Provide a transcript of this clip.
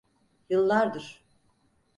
Yıllardır.